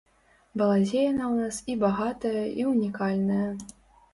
Балазе яна ў нас і багатая, і ўнікальная.